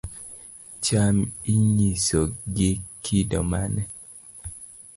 Cham inyiso gi kido mane